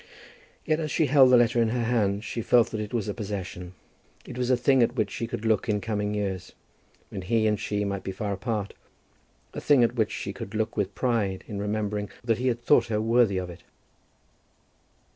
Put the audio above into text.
Yet, as she held the letter in her hand she felt that it was a possession. It was a thing at which she could look in coming years, when he and she might be far apart, a thing at which she could look with pride in remembering that he had thought her worthy of it.